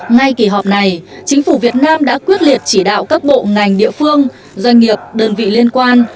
ngay kỳ họp này chính phủ việt nam đã quyết liệt chỉ đạo các bộ ngành địa phương doanh nghiệp đơn vị liên quan